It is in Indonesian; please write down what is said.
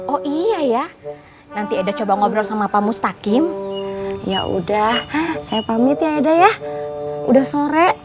oh iya ya nanti ada coba ngobrol sama pak mustaqim ya udah saya pamit ya eda ya udah sore